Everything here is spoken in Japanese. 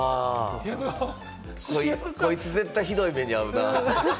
こいつ絶対ひどい目に遭うな。